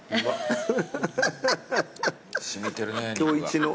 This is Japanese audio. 染みてるね肉が。